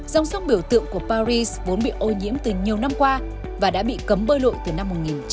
dòng sông biểu tượng của paris vốn bị ô nhiễm từ nhiều năm qua và đã bị cấm bơi lội từ năm một nghìn chín trăm bảy mươi